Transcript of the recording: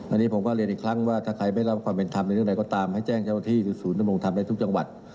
อันนี้ผมก็เรียนอีกครั้งว่าถ้าใครไม่รับความเป็นธรรมในเรื่องไหนก็ตามให้แจ้งเฉพาะที่ศูนย์ลงทำให้ทุกจังหวัด